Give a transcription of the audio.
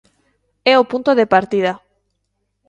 É o punto de partida.